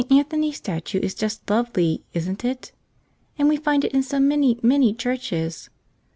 ANTHONY'S statue is just lovely, isn't it? And we find it in so many, many churches.